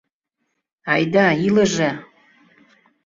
Айда, илыже!